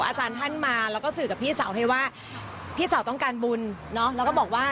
อาจารย์ท่านมาแล้วก็สื่อกับพี่สาวให้ว่าพี่สาวต้องการบุญเนอะ